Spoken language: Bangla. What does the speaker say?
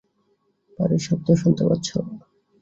পারি শব্দ শুনতে পাচ্ছ?